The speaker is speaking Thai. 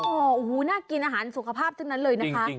โอ้โหน่ากินอาหารสุขภาพทั้งนั้นเลยนะคะ